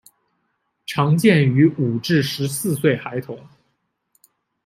常见于五至十四岁孩童。